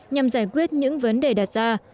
nhằm giải quyết những vấn đề đạt ra